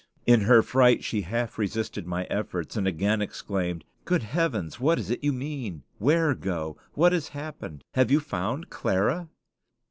In her fright she half resisted my efforts, and again exclaimed, "Good heaven! what is it you mean? Where go? What has happened? Have you found Clara?"